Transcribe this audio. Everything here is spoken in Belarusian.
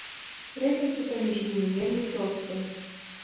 Розніца паміж імі вельмі простая.